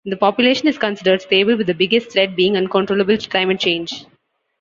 The population is considered stable with the biggest threat being uncontrollable climate change.